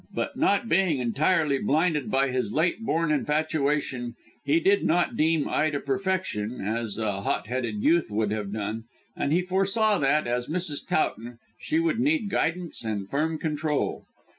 But, not being entirely blinded by his late born infatuation, he did not deem Ida perfection, as a hot headed youth would have done, and he foresaw that, as Mrs. Towton, she would need guidance and firm control.